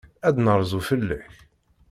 Ad d-nerzu fell-ak.